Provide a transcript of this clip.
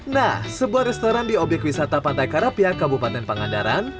nah sebuah restoran di obyek wisata pantai karapia kabupaten pangandaran